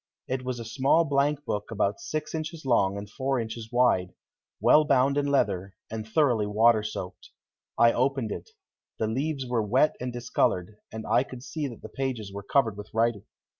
It was a small blankbook about six inches long and four inches wide, well bound in leather and thoroughly water soaked. I opened it. The leaves were wet and discolored, and I could see that the pages were covered with writing.